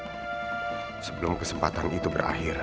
mungkin sebaiknya aku membiarkan anak anak menghabiskan waktu bersama bella